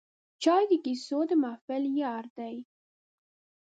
چای د کیسو د محفل یار دی